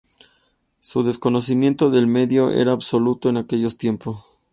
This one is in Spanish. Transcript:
Su desconocimiento del medio era absoluto en aquellos tiempos.